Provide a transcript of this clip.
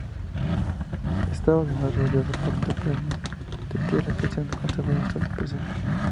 Estaba, además, rodeado por terraplenes de tierra, que se han conservado hasta el presente.